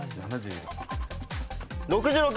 ６６！